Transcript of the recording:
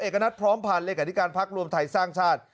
เอกณัฐพร้อมภัณฑ์ริการภักรวมไทยสร้างชาติ